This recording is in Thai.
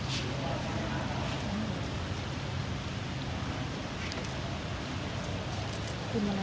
สวัสดีครับสวัสดีครับ